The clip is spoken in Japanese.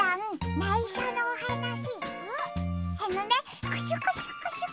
ないしょのおはなし。